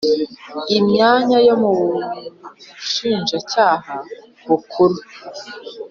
Imyanya yo mu Bushinjacyaha Bukuru